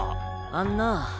あんなぁ